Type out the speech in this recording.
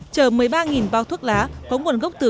chờ một mươi ba bao thuốc lá có nguồn gốc tự nhiên